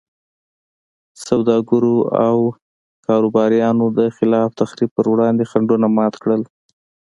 سوداګرو او کاروباریانو د خلاق تخریب پر وړاندې خنډونه مات کړل.